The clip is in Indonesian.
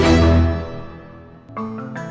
tunggu aku mau ke toilet